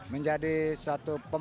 menjadi suatu pemecah